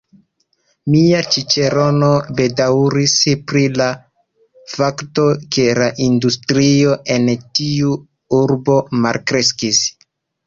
Mia ĉiĉerono bedaŭris pri la fakto, ke la industrio en tiu urbo malkreskis.